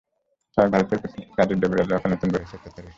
সাবেক ভারতীয় কূটনীতিক রাজীব ডোগরার লেখা নতুন বইয়ে এসব তথ্য রয়েছে।